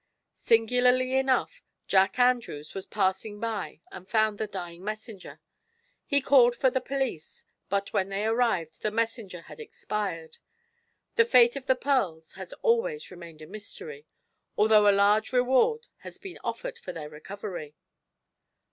Singularly enough, Jack Andrews was passing by and found the dying messenger. He called for the police, but when they arrived the messenger had expired. The fate of the pearls has always remained a mystery, although a large reward has been offered for their recovery."